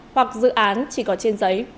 hoặc dự án chỉ có trên giấy